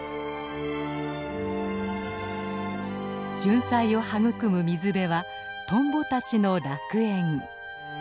ジュンサイを育む水辺はトンボたちの楽園。